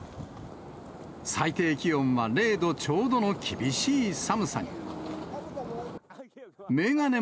最低気温は０度ちょうどの厳しい寒さに。